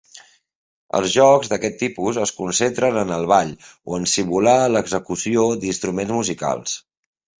Els jocs d'aquest tipus es concentren en el ball o en simular l'execució d'instruments musicals.